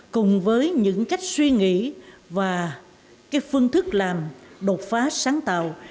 cùng với những cách suy nghĩ và cái phương thức làm đột phá sáng tạo